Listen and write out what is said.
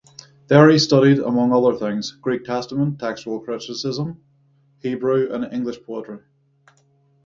There he studied, among other things, Greek testament textual criticism, Hebrew, and English poetry.